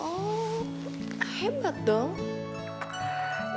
oh hebat dong